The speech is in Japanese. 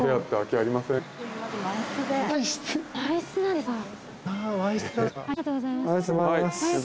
ありがとうございます。